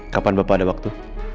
kapan bapak ada waktu